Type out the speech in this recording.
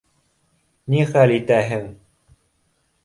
Ни хәл итәһең